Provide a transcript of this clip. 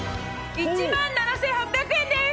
１万７８００円です！